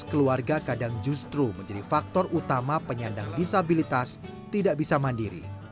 keluarga kadang justru menjadi faktor utama penyandang disabilitas tidak bisa mandiri